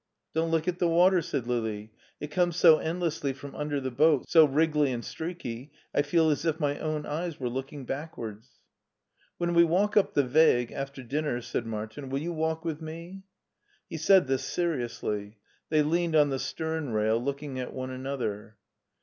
"Don't look at the water," said Lili; "it comes so endlessly from under the boat, so wriggly and streaky, I feel as if my own eyes were looking backwards." "When we walk up the Weg after dinner," said Martin, "will you walk witfi me?" He said this seriously. They leaned on the stem rail, looking at one another.